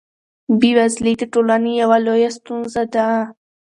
بېوزلي د ټولنې یوه لویه ستونزه ده.